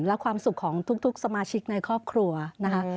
และความสุขของทุกสมาชิกในครอบครัวนะคะ